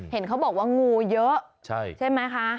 เห็นเขาบอกว่างูเยอะใช่ไหมคะ